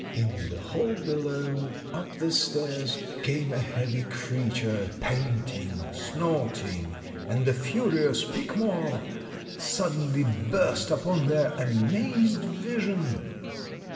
In the hall below, up the stairs, came a heavy creature, panting, snorting, and the furious Pique Mort suddenly burst upon their amazed vision!